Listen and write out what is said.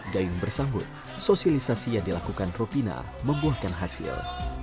gayung bersambut sosialisasi yang dilakukan rupina membuahkan hasil